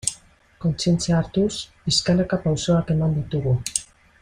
Kontzientzia hartuz, pixkanaka pausoak eman ditugu.